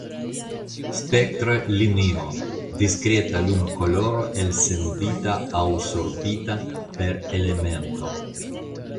Spektra Linio: Diskreta lumkoloro elsendita aŭ sorbita per elemento.